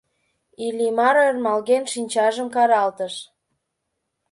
Иллимар, ӧрмалген, шинчажым каралтыш: